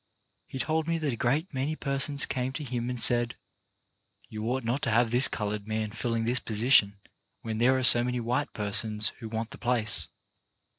He told me that a great many per sons came to him and said: ''You ought not to have this coloured man filling this position when 1 38 CHARACTER BUILDING there are so many white persons who want the place.